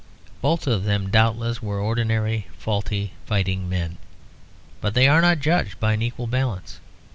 Both of them doubtless were ordinary faulty fighting men, but they are not judged by an equal balance.